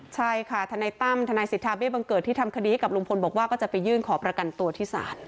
ใช่ค่ะทนายตั้มทนายสิทธาเบี้บังเกิดที่ทำคดีให้กับลุงพลบอกว่าก็จะไปยื่นขอประกันตัวที่ศาล